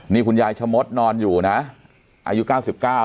นี่คุณยายชะมดนอนอยู่นะอายุ๙๙แล้ว